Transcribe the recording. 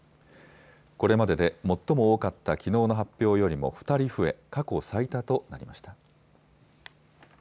これまでで最も多かったきのうの発表よりも２人増え過去最多となりました。